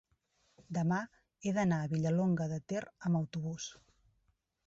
demà he d'anar a Vilallonga de Ter amb autobús.